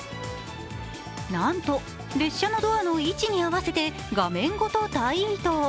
なんと、列車のドアの位置に合わせて画面ごと大移動。